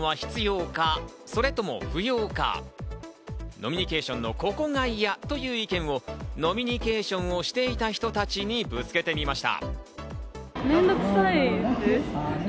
飲みニケーションのここが嫌という意見を飲みニケーションをしていた人たちにぶつけてみました。